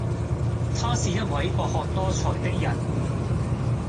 他是一位博學多才的人